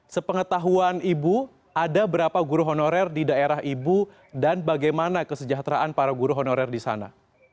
sepengetahuan ibu ada berapa guru honorer di daerah ibu dan bagaimana kesejahteraan para guru honorer di sana